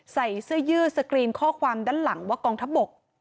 ใส่เสื้อยืดสกรีนข้อความด้านหลังว่ากองทัพบก